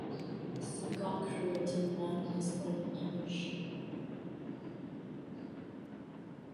So God created man in his own image